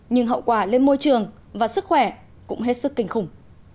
nhưng hậu quả lên môi trường và sức khỏe cũng hết sức kinh khủng